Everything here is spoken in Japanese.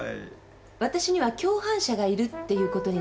わたしには「共犯者がいる」っていうことになりますよね？